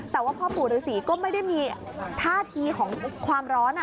แต่ว่าพ่อปู่ฤษีก็ไม่ได้มีท่าทีของความร้อน